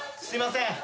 すんません。